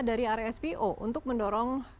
dari rspo untuk mendorong petani lainnya